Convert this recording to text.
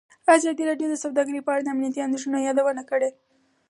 ازادي راډیو د سوداګري په اړه د امنیتي اندېښنو یادونه کړې.